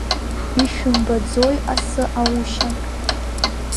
Ишәымбаӡои асы аушьа…